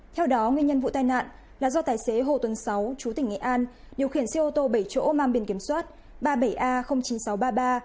theo đó nguyên nhân vụ tai nạn là do tài xế hồ tuấn sáu chú tỉnh nghệ an điều khiển xe ô tô bảy chỗ mang biển kiểm soát ba mươi bảy a chín nghìn sáu trăm ba mươi ba